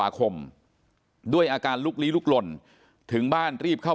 แล้วก็ช่วยกันนำนายธีรวรรษส่งโรงพยาบาล